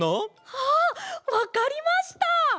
あっわかりました！